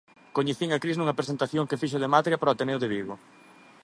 Coñecín a Cris nunha presentación que fixo de 'Matria' para o Ateneo de Vigo.